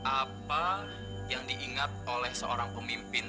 apa yang diingat oleh seorang pemimpin